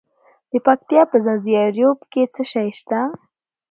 د پکتیا په ځاځي اریوب کې څه شی شته؟